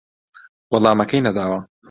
وەڵامەکەی نەداوە